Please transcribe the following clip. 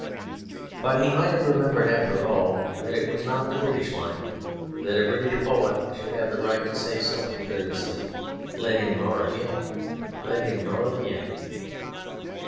But he might have remembered, after all, that it was not the British lion, that a British poet should have the right to say so imperiously, "Let him roar again. Let him roar again."